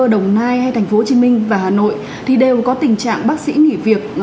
đồng nai hay tp hcm và hà nội thì đều có tình trạng bác sĩ nghỉ việc